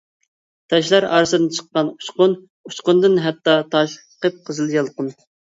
تاشلار ئارىسىدىن چىققاندا ئۇچقۇن، ئۇچقۇندىن ھەتتا تاش قىپقىزىل يالقۇن.